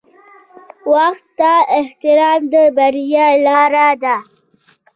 • وخت ته احترام د بریا لاره ده.